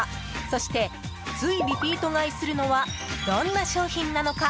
そしてついリピート買いするのはどんな商品なのか？